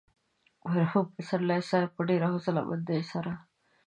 مرحوم پسرلي صاحب په ډېره حوصله مندۍ سره.